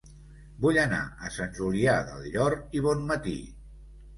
Vull anar a Sant Julià del Llor i Bonmatí